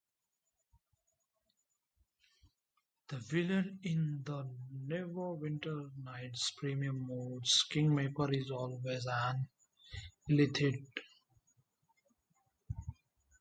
The villain in the Neverwinter Nights premium module 'Kingmaker' is also an Illithid.